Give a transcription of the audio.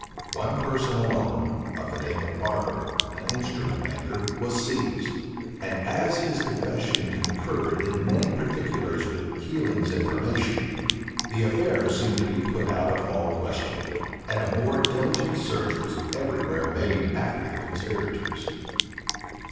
One person alone, of the name of Barber, an instrument maker, was seized; and as his confession concurred in many particulars with Keiling's information, the affair seemed to be put out of all question; and a more diligent search was every where made after the conspirators.